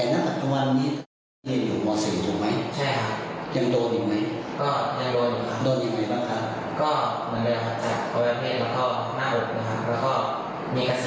ก็คืออาณาจารย์แบบนี้ค่ะ